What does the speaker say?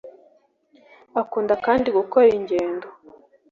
Akunda kandi gukora ingendo